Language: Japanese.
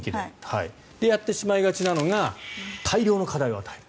やってしまいがちなのが大量の課題を与える。